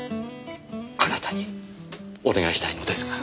あなたにお願いしたいのですが。